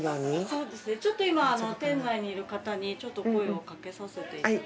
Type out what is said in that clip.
そうですねちょっと今店内にいる方に声を掛けさせていただいて。